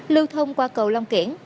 lưu thông qua cầu long kiểng